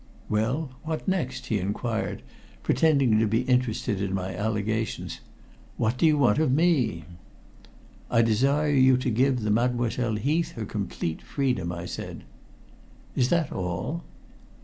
"Well, what next?" he inquired, pretending to be interested in my allegations. "What do you want of me?" "I desire you to give the Mademoiselle Heath her complete freedom," I said. "Is that all?"